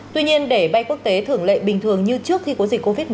tuy nhiên để bay quốc tế thưởng lệ bình thường như trước khi có dịch covid một mươi